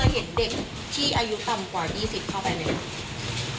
เห็นเด็กที่อายุต่ำกว่า๒๐เข้าไปไหม